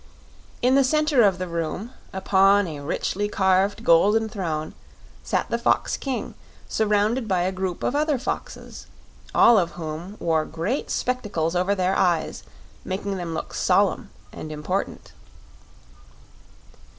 In the corner of the room upon a richly carved golden throne, sat the fox king, surrounded by a group of other foxes, all of whom wore great spectacles over their eyes, making them look solemn and important.